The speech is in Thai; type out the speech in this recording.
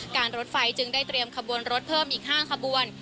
รถไฟจึงได้เตรียมขบวนรถเพิ่มอีก๕ขบวน